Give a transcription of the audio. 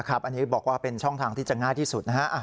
อันนี้บอกว่าเป็นช่องทางที่จะง่ายที่สุดนะฮะ